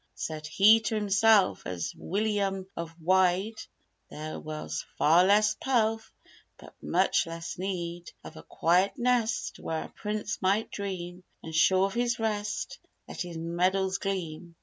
Said he to himself "As Wilyum of Wied There was far less pelf But much less need Of a quiet nest Where a prince might dream And sure of his rest Let his medals gleam.